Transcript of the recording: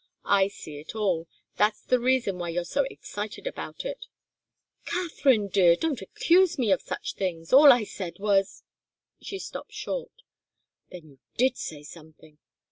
I see it all. That's the reason why you're so excited about it." "Katharine, dear, don't accuse me of such things! All I said was " She stopped short. "Then you did say something?